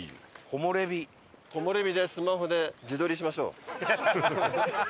木漏れ日でスマホで自撮りしましょう。